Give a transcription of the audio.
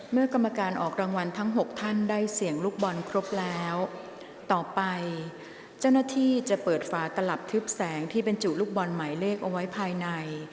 กรรมการออกรางวัลทั้ง๖ท่านได้เสี่ยงลูกบอลครบแล้วต่อไปเจ้าหน้าที่จะเปิดฝาตลับทึบแสงที่บรรจุลูกบอลหมายเลขเอาไว้ภายใน